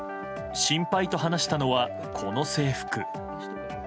心配と話したのは、この制服。